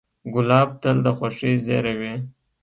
ګلاب تل د خوښۍ زېری وي.